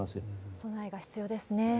備えが必要ですね。